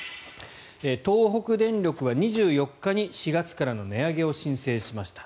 東北電力は２４日に４月からの値上げを申請しました。